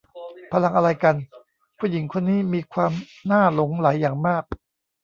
พลังอะไรกัน ผู้หญิงคนนี้มีความน่าหลงไหลอย่างมาก